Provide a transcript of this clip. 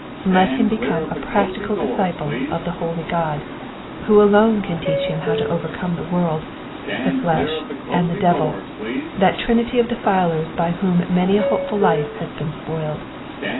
Let him become a practical disciple of the holy God, who alone can teach him how to overcome the world, the flesh, and the devil, that trinity of defilers by whom many a hopeful life has been spoiled.